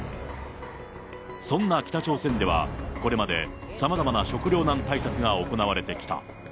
そんな北朝鮮ではこれまでさまざまな食料難対策が行われてきた。